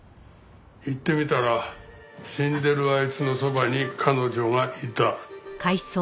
行ってみたら死んでるあいつのそばに彼女がいた。